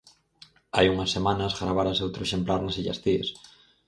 Hai unhas semanas gravárase outro exemplar nas illas Cíes.